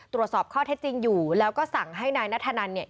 ตรวจสอบข้อเท็จจริงอยู่แล้วก็สั่งให้นายนัทธนันเนี่ย